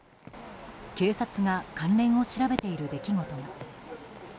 警察が関連を調べている出来事が。